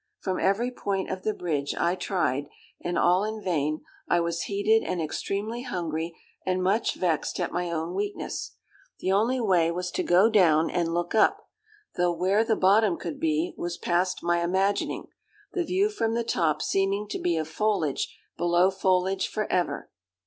From every point of the bridge I tried, and all in vain. I was heated and extremely hungry, and much vexed at my own weakness. The only way was to go down and look up; though where the bottom could be, was past my imagining, the view from the top seeming to be of foliage below foliage for ever.